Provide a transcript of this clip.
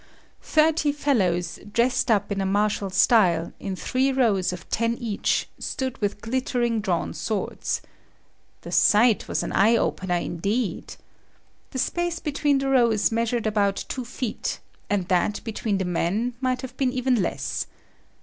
Thirty fellows, dressed up in a martial style, in three rows of ten each, stood with glittering drawn swords. The sight was an eye opener, indeed. The space between the rows measured about two feet, and that between the men might have been even less.